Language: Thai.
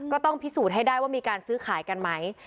ก็ต้องพิสูจน์ให้ได้ว่ามีการซื้อขายกันไหม